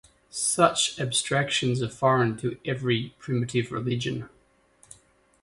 Such abstractions are foreign to every primitive religion.